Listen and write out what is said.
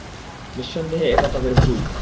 নিঃসন্দেহে এটা তাদের ভুল।